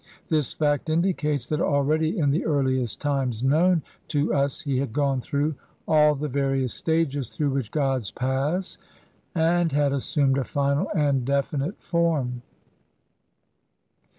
This fact indicates that already in the earliest times known to us he had gone through all the various stages through which gods pass and had assumed a final and de finite form.